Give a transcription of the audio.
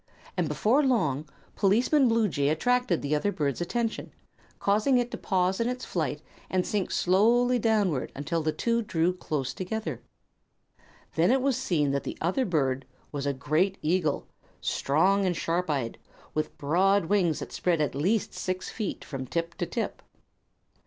And before long Policeman Bluejay attracted the other bird's attention, causing it to pause in its flight and sink slowly downward until the two drew close together. Then it was seen that the other bird was a great eagle, strong and sharp eyed, and with broad wings that spread at least six feet from tip to tip.